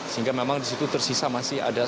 sehingga memang di situ tersisa masih ada